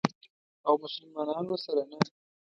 او مسلمانانو سره نه.